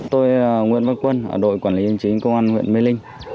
tôi là nguyễn văn quân đội quản lý hình chính công an huyện mê linh